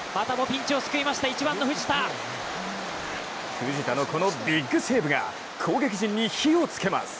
藤田のこのビッグセーブが攻撃陣に火をつけます。